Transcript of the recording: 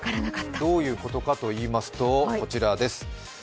どういうことかといいますと、こちらです。